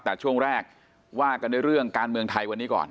แต่ช่วงแรกว่ากันด้วยเรื่องการเมืองไทยวันนี้ก่อน